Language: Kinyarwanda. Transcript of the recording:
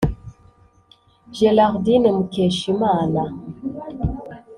Gerardine Mukeshimana